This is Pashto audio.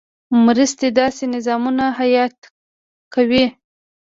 مرستې داسې نظامونه حیات کوي.